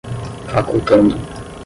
facultando